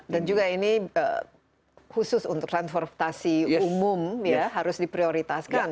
dan juga ini khusus untuk transportasi umum harus diprioritaskan